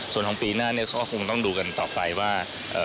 ส่วนของปีหน้าเนี่ยก็คงต้องดูกันต่อไปว่า